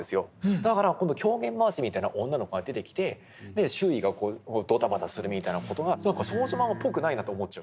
だから狂言回しみたいな女の子が出てきて周囲がドタバタするみたいな事が少女漫画っぽくないなと思っちゃう。